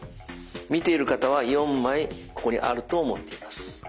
見ている方は４枚ここにあると思っています。